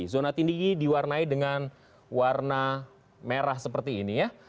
zona tinggi ini diwarnai dengan warna merah seperti ini ya